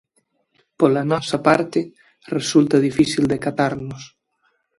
Pola nosa parte resulta difícil decatarnos.